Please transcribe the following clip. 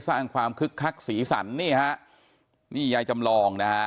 สร้างความคลึกคลักศีรษรนี่คะนี่ยายจำลอง